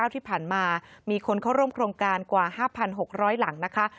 ที่ผ่านมามีคนเข้าร่วมโครงการกว่า๕๖๐๐หลังนะคะ